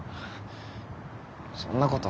そんなこと。